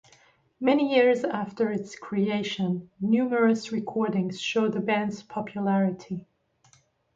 Many years after its creation, numerous recordings show the band's popularity.